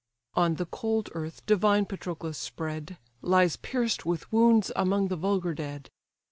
On the cold earth divine Patroclus spread, Lies pierced with wounds among the vulgar dead.